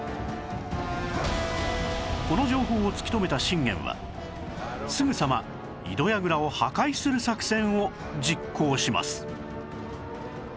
この情報を突き止めた信玄はすぐさま井戸櫓を破壊する作戦を実行します